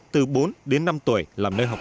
từ bốn đến bảy đồng